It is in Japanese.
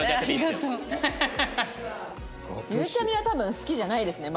ゆうちゃみは多分好きじゃないですね